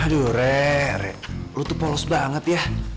aduh re lo tuh polos banget ya